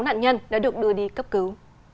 sáu nạn nhân đã được đưa đi cấp cứu